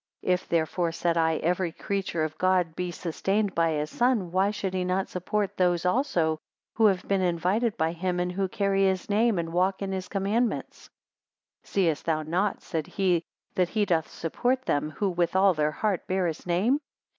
If therefore, said I, every creature of God be sustained by his Son, why should he not support those also who have been invited by him, and who carry his name, and walk in his commandments? 139 Seest thou not, said he, that he doth support them, who with all their heart, bear his name?